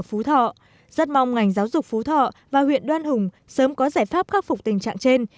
phú thọ rất mong ngành giáo dục phú thọ và huyện đoan hùng sớm có giải pháp khắc phục tình trạng trên